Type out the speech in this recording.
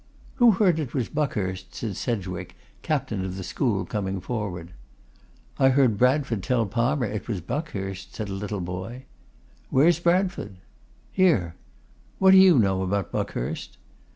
'Who heard it was Buckhurst?' said Sedgwick, captain of the school, coming forward. 'I heard Bradford tell Palmer it was Buckhurst,' said a little boy. 'Where is Bradford?' 'Here.' 'What do you know about Buckhurst?